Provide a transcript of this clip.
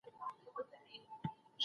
خپل افکار نوي کړئ.